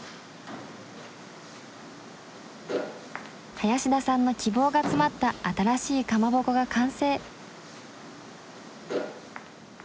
林田さんの希望が詰まった新しいかまぼこが完成。